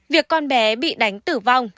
việc con bé bị đánh tử vong